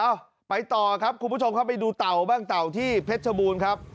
เอ้าไปต่อครับคุณผู้ชมครับไปดูเต่าบ้างเต่าที่เพชรชบูรณ์ครับ